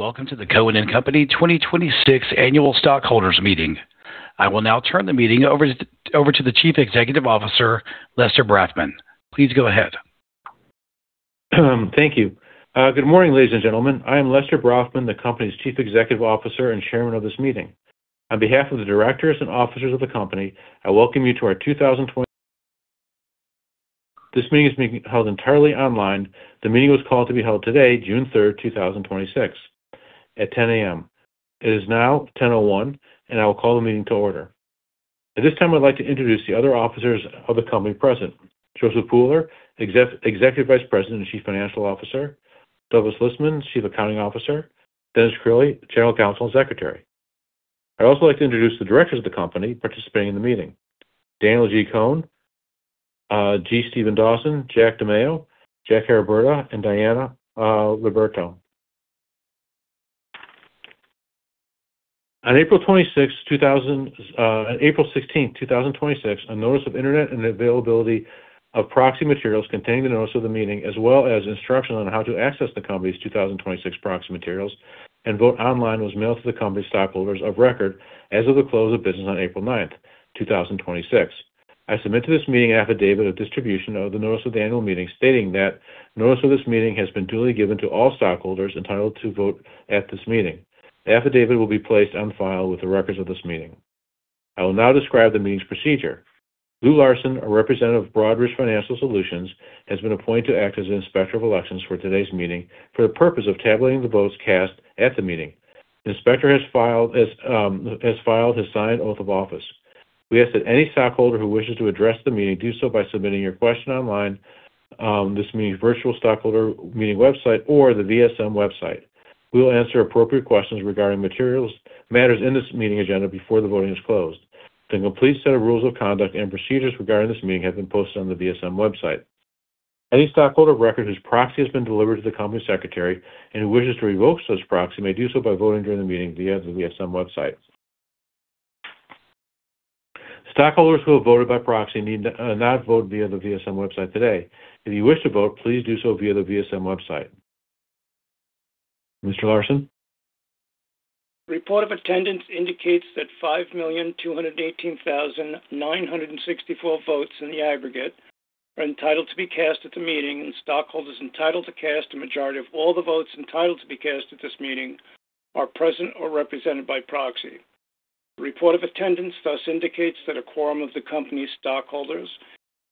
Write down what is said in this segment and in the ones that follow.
Welcome to the Cohen & Company 2026 annual stockholders meeting. I will now turn the meeting over to the Chief Executive Officer, Lester Brafman. Please go ahead. Thank you. Good morning, ladies and gentlemen. I am Lester Brafman, the company's Chief Executive Officer and Chairman of this meeting. On behalf of the directors and officers of the company, I welcome you to our 2020. This meeting is being held entirely online. The meeting was called to be held today, June 3rd, 2026, at 10:00 A.M. It is now 10:01 A.M., and I will call the meeting to order. At this time, I'd like to introduce the other officers of the company present. Joseph Pooler, Executive Vice President and Chief Financial Officer. Douglas Listman, Chief Accounting Officer. Dennis Crilly, General Counsel and Secretary. I'd also like to introduce the directors of the company participating in the meeting. Daniel G. Cohen, G. Steven Dawson, Jack DiMaio, Jack Haraburda, and Diana Liberto. On April 16th, 2026, a notice of Internet availability of proxy materials containing the notice of the meeting, as well as instruction on how to access the company's 2026 proxy materials and vote online, was mailed to the company's stockholders of record as of the close of business on April 9th, 2026. I submit to this meeting affidavit of distribution of the notice of the annual meeting, stating that notice of this meeting has been duly given to all stockholders entitled to vote at this meeting. The affidavit will be placed on file with the records of this meeting. I will now describe the meeting's procedure. Lou Larson, a representative of Broadridge Financial Solutions, has been appointed to act as the Inspector of Elections for today's meeting for the purpose of tabulating the votes cast at the meeting. The inspector has filed his signed oath of office. We ask that any stockholder who wishes to address the meeting do so by submitting your question online, this meeting's virtual stockholder meeting website, or the VSM website. We will answer appropriate questions regarding matters in this meeting agenda before the voting is closed. The complete set of rules of conduct and procedures regarding this meeting have been posted on the VSM website. Any stockholder of record whose proxy has been delivered to the company secretary and who wishes to revoke such proxy may do so by voting during the meeting via the VSM website. Stockholders who have voted by proxy need not vote via the VSM website today. If you wish to vote, please do so via the VSM website. Mr. Larson? Report of attendance indicates that 5,218,964 votes in the aggregate are entitled to be cast at the meeting, and stockholders entitled to cast a majority of all the votes entitled to be cast at this meeting are present or represented by proxy. The report of attendance thus indicates that a quorum of the company's stockholders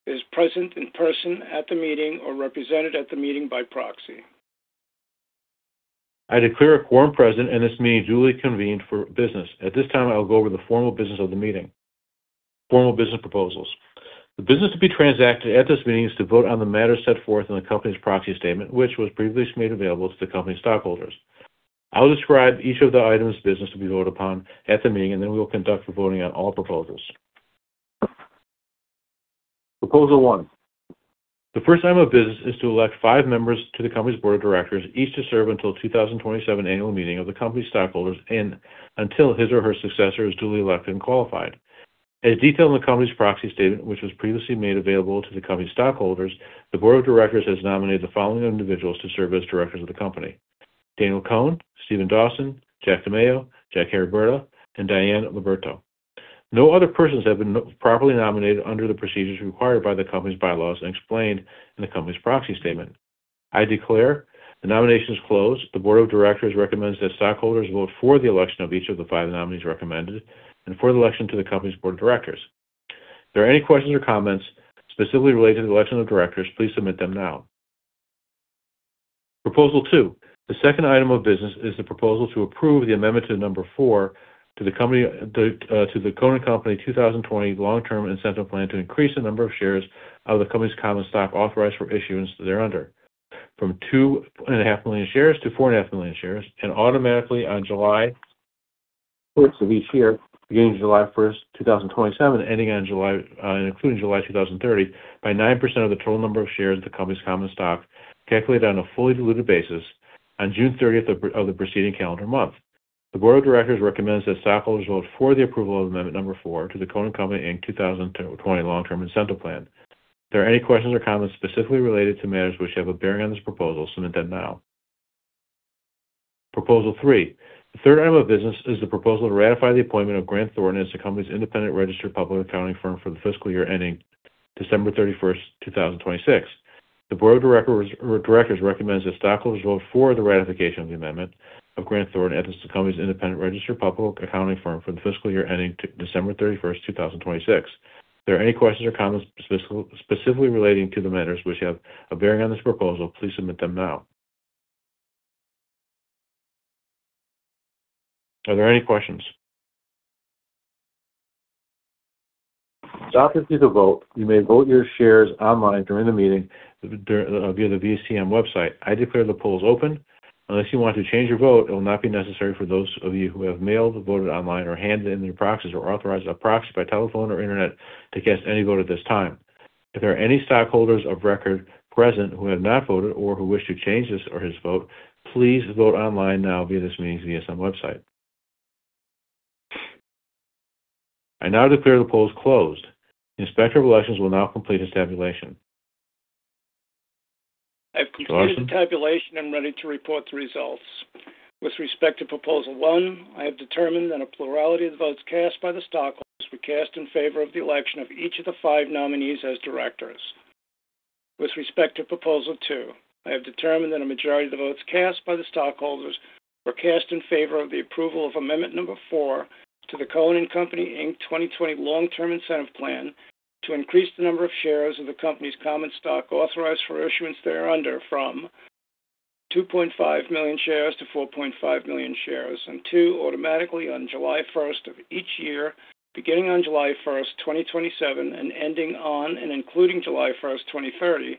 is present in person at the meeting or represented at the meeting by proxy. I declare a quorum present and this meeting duly convened for business. At this time, I will go over the formal business of the meeting. Formal business proposals. The business to be transacted at this meeting is to vote on the matters set forth in the company's proxy statement, which was previously made available to the company's stockholders. I will describe each of the items of business to be voted upon at the meeting, and then we will conduct the voting on all proposals. Proposal One. The first item of business is to elect five members to the company's Board of Directors, each to serve until the 2027 annual meeting of the company's stockholders and until his or her successor is duly elected and qualified. As detailed in the company's proxy statement, which was previously made available to the company's stockholders, the Board of Directors has nominated the following individuals to serve as directors of the company: Daniel Cohen, Steven Dawson, Jack DiMaio, Jack Haraburda, and Diana Liberto. No other persons have been properly nominated under the procedures required by the company's bylaws and explained in the company's proxy statement. I declare the nominations closed. The Board of Directors recommends that stockholders vote for the election of each of the five nominees recommended and for the election to the company's Board of Directors. If there are any questions or comments specifically related to the election of directors, please submit them now. Proposal Two. The second item of business is the proposal to approve the amendment to number four to the Cohen & Company 2020 Long-Term Incentive Plan to increase the number of shares of the company's common stock authorized for issuance thereunder from 2.5 million shares to 4.5 million shares. Automatically on July 1st of each year, beginning July 1st, 2027, and including July 2030, by 9% of the total number of shares of the company's common stock, calculated on a fully diluted basis on June 30th of the preceding calendar month. The Board of Directors recommends that stockholders vote for the approval of amendment number four to the Cohen & Company Inc 2020 Long-Term Incentive Plan. If there are any questions or comments specifically related to matters which have a bearing on this proposal, submit them now. Proposal Three. The third item of business is the proposal to ratify the appointment of Grant Thornton as the company's independent registered public accounting firm for the fiscal year ending December 31st, 2026. The Board of Directors recommends that stockholders vote for the ratification of the amendment of Grant Thornton as the company's independent registered public accounting firm for the fiscal year ending December 31st, 2026. If there are any questions or comments specifically relating to the matters which have a bearing on this proposal, please submit them now. Are there any questions? To officially vote, you may vote your shares online during the meeting via the VSM website. I declare the polls open. Unless you want to change your vote, it will not be necessary for those of you who have mailed, voted online, or handed in your proxies or authorized a proxy by telephone or Internet to cast any vote at this time. If there are any stockholders of record present who have not voted or who wish to change his or his vote, please vote online now via this meeting's VSM website. I now declare the polls closed. The Inspector of Elections will now complete his tabulation. Mr. Larson? I've completed the tabulation and ready to report the results. With respect to Proposal One, I have determined that a plurality of the votes cast by the stockholders were cast in favor of the election of each of the five nominees as directors. With respect to Proposal Two, I have determined that a majority of the votes cast by the stockholders were cast in favor of the approval of Amendment Number Four to the Cohen & Company Inc 2020 Long-Term Incentive Plan to increase the number of shares of the company's common stock authorized for issuance thereunder from 2.5 million shares to 4.5 million shares, and two, automatically on July 1st of each year, beginning on July 1st, 2027, and ending on and including July 1st, 2030,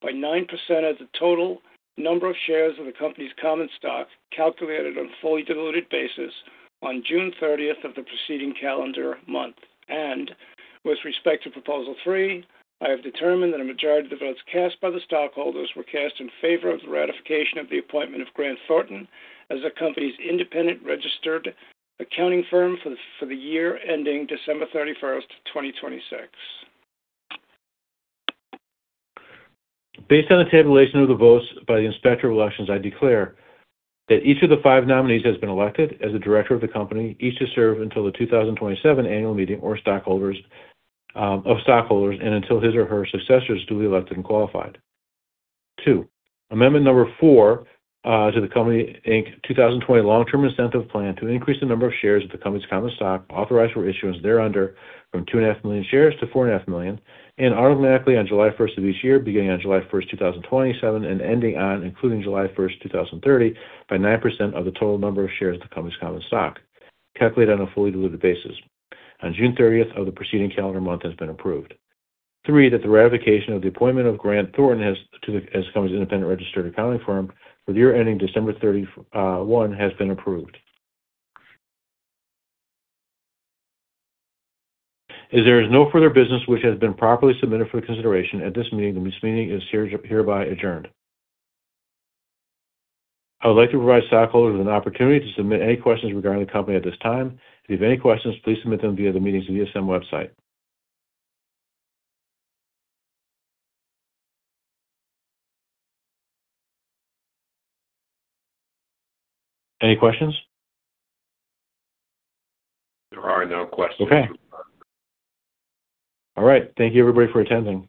by 9% of the total number of shares of the company's common stock, calculated on a fully diluted basis on June 30th of the preceding calendar month. With respect to Proposal Three, I have determined that a majority of the votes cast by the stockholders were cast in favor of the ratification of the appointment of Grant Thornton as the company's independent registered accounting firm for the year ending December 31st, 2026. Based on the tabulation of the votes by the Inspector of Elections, I declare that each of the five nominees has been elected as a director of the company, each to serve until the 2027 Annual Meeting of Stockholders and until his or her successor is duly elected and qualified. Two, Amendment Number Four to the Cohen & Company Inc 2020 Long-Term Incentive Plan to increase the number of shares of the company's common stock authorized for issuance thereunder from 2.5 million shares to 4.5 million, and automatically on July 1st of each year, beginning on July 1st, 2027, and ending on including July 1st, 2030, by 9% of the total number of shares of the company's common stock, calculated on a fully diluted basis on June 30th of the preceding calendar month, has been approved. Three, that the ratification of the appointment of Grant Thornton as the company's independent registered accounting firm for the year ending December 31 has been approved. As there is no further business which has been properly submitted for consideration at this meeting, this meeting is hereby adjourned. I would like to provide stockholders with an opportunity to submit any questions regarding the company at this time. If you have any questions, please submit them via the meeting's VSM website. Any questions? Okay. All right. Thank you everybody for attending.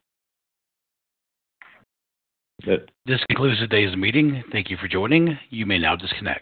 That's it. This concludes today's meeting. Thank you for joining. You may now disconnect.